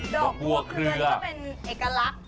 ดอกบัวเคลือแล้วก็เป็นเอกลักษณ์